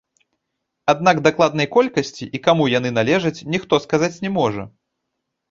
Аднак дакладнай колькасці і каму яны належаць ніхто сказаць не можа.